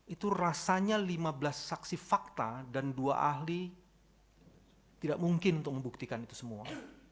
itu rasanya lima belas saksi fakta dan dua ahli tidak mungkin untuk membuktikan itu semua